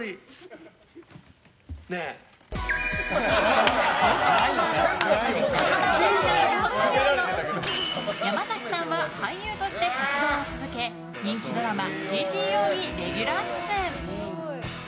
そんな豪華メンバーの「あっぱれさんま大先生」を卒業後山崎さんは俳優として活動を続け人気ドラマ「ＧＴＯ」にレギュラー出演。